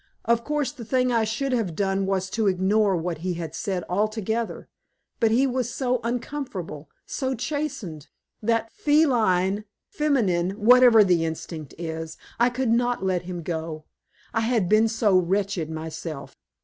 Of course the thing I should have done was to ignore what he had said altogether, but he was so uncomfortable, so chastened, that, feline, feminine, whatever the instinct is, I could not let him go. I had been so wretched myself.